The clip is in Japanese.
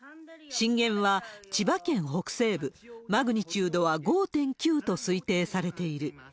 震源は千葉県北西部、マグニチュードは５．９と推定されている。